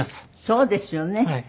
そうですよね。